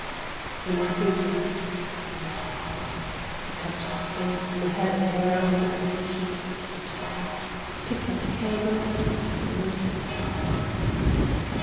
The knocking stops. All is quiet. He covers the face and the head of hair with the white sheet, steps back, picks up the candle and listens.